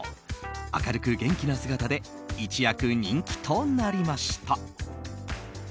明るく元気な姿で一躍、人気となりました。